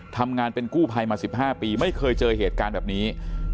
ทำงานเป็นกู้ภัยมา๑๕ปีไม่เคยเจอเหตุการณ์แบบนี้